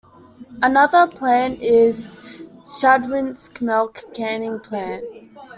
Another plant is Shadrinsk Milk Canning Plant.